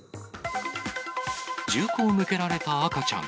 銃口向けられた赤ちゃん。